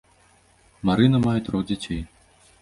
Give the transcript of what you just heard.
Марына мае трох дзяцей.